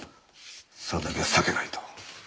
それだけは避けないと。